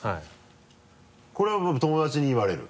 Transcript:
これは友達に言われる？